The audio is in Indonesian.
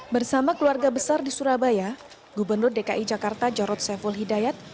bersama keluarga besar di surabaya gubernur dki jakarta jarod saiful hidayat